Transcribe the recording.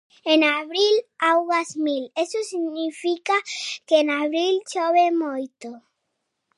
En abril aguas mil, eso significa que en abril chove moito.